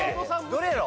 ・どれやろ？